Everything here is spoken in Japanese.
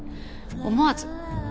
思わず。